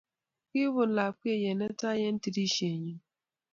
Kibun lapkeiyet netai eng tirishen nyu.